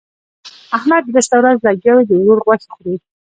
احمد درسته ورځ لګيا وي؛ د ورور غوښې خوري.